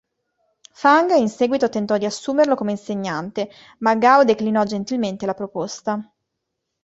Fang in seguito tentò di assumerlo come insegnante, ma Gao declinò gentilmente la proposta.